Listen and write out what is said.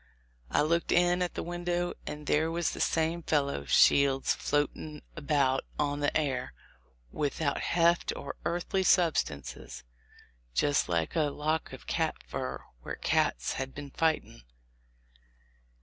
I looked in at the window, and there was this same fellow Shields floatin' about on the air, without heft or earthly substances, just like a lock of cat fur where cats had been fighting.